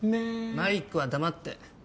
マリックは黙って。